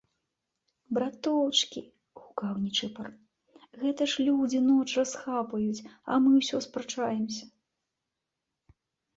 - Браточкi, - гукаў Нiчыпар, - гэта ж людзi ноч расхапаюць, а мы ўсё спрачаемся...